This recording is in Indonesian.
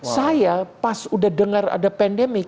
saya pas udah dengar ada pandemik